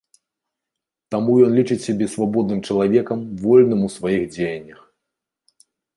Таму ён лічыць сябе свабодным чалавекам вольным у сваіх дзеяннях.